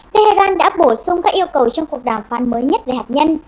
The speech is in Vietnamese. tehran đã bổ sung các yêu cầu trong cuộc đàm phán mới nhất về hạt nhân